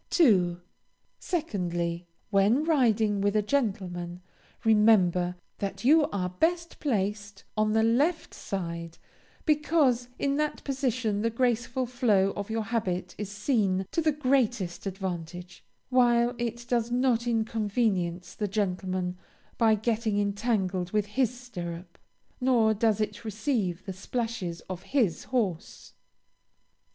2. Secondly, when riding with a gentleman, remember that you are best placed on the left side; because in that position the graceful flow of your habit is seen to the greatest advantage, while it does not inconvenience the gentleman by getting entangled with his stirrup, nor does it receive the splashes of his horse.